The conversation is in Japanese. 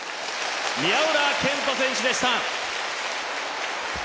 宮浦健人選手でした。